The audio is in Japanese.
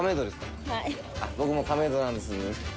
僕も亀戸なんです。